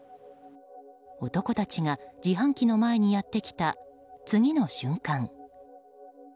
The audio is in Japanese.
男たちが自販機の前にやってきた次の瞬間